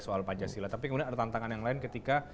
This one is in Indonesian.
soal pancasila tapi kemudian ada tantangan yang lain ketika